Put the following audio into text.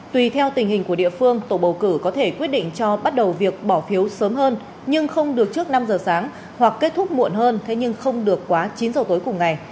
tùy theo tình hình của địa phương tổ bầu cử có thể quyết định cho bắt đầu việc bỏ phiếu sớm hơn nhưng không được trước năm giờ sáng hoặc kết thúc muộn hơn thế nhưng không được quá chín giờ tối cùng ngày